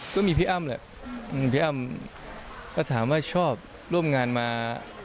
ก็มีพี่อ้ำแหละพี่อ้ำก็ถามว่าชอบร่วมงานมา